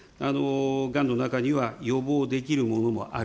がんの中には、予防できるものもある。